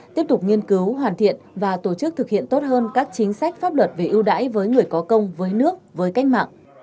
tiếp tục nghiên cứu hoàn thiện và tổ chức thực hiện tốt hơn các chính sách pháp luật về ưu đãi với người có công với nước với cách mạng